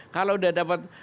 kalau udah dapat